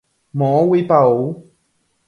Moõguipa ou.